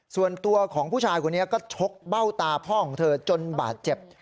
ส่วนตัวของผู้ชายคนนี้ก็ชกเบ้าตาพ่อของเธอจนบาดเจ็บ